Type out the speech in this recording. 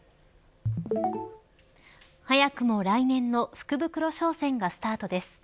早くも来年の福袋商戦がスタートです。